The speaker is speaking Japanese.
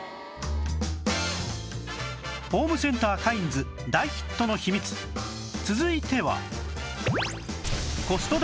ホームセンターカインズ大ヒットの秘密続いては